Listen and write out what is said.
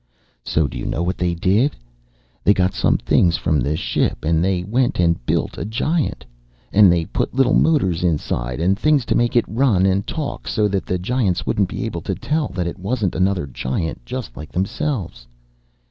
"So do you know what they did? They got some things from the ship and they went and built a giant. And they put little motors inside and things to make it run and talk so that the giants wouldn't be able to tell that it wasn't another giant just like themselves."